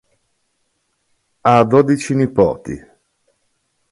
Ha dodici nipoti.